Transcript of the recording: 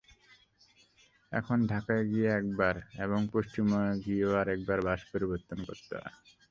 এখন ঢাকায় গিয়ে একবার এবং পশ্চিমবঙ্গে গিয়েও আরেকবার বাস পরিবর্তন করতে হয়।